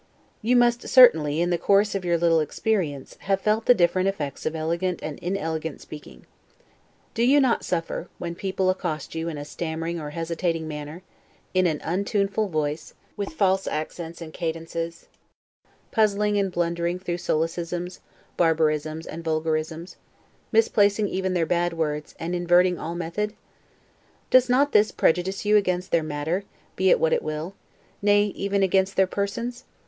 You must certainly, in the course of your little experience, have felt the different effects of elegant and inelegant speaking. Do you not suffer, when people accost you in a stammering or hesitating manner, in an untuneful voice, with false accents and cadences; puzzling and blundering through solecisms, barbarisms, and vulgarisms; misplacing even their bad words, and inverting all method? Does not this prejudice you against their matter, be it what it will; nay, even against their persons?